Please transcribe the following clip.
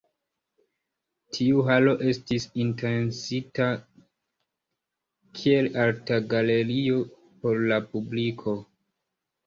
Tiu Halo estis intencita kiel artgalerio por la publiko.